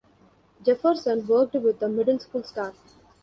Jefferson worked with the middle school star.